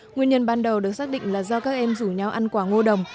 nguyên nhân ban đầu được xác định là do các em rủ nhau ăn quả ngô đồng